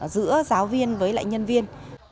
giữa giáo viên với nhân viên